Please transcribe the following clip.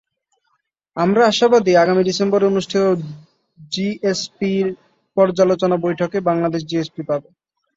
আমরা আশাবাদী, আগামী ডিসেম্বরে অনুষ্ঠেয় জিএসপির পর্যালোচনা বৈঠকে বাংলাদেশ জিএসপি পাবে।